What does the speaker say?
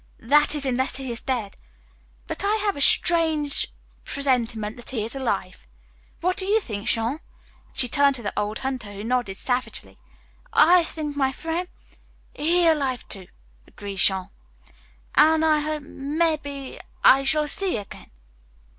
"That is unless he is dead. But I have a strange presentiment that he is alive. What do you think, Jean?" she turned to the old hunter, who nodded sagely. "I think my frien', he alive, too," agreed Jean, "an' I hope, mebbe I shall see again."